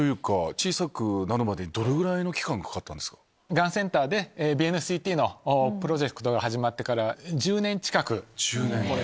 がんセンターでＢＮＣＴのプロジェクトが始まってから。